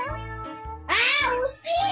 あおしい！